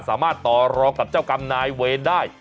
สามารถต่อรองกับเจ้ากรรมนายเวรได้